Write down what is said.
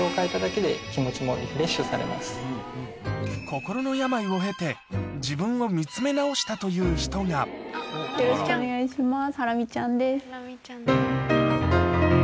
心の病を経て自分を見つめ直したという人がよろしくお願いします。